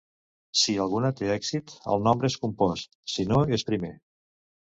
Si alguna té èxit, el nombre és compost; si no, és primer.